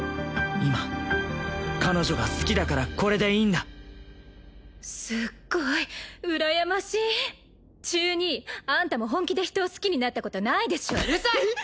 今彼女が好きだからこれでいいんだすっごいうらやましい中２あんたも本気で人を好きになったことないでしょうるさい！